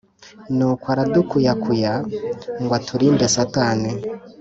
nukw’aradukuyakuya ngw’aturinde satani